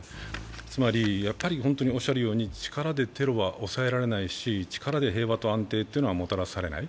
つまり力でテロは抑えられないし力で平和と安定はもたらされない。